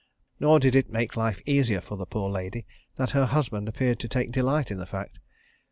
Nor did it make life easier for the poor lady that her husband appeared to take delight in the fact.